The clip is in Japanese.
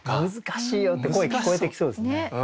「難しいよ！」って声聞こえてきそうですよね。